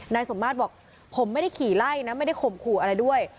นายสมมาตรบอกผมไม่ได้ขี่ไล่นะไม่ได้ข่มขู่อะไรด้วย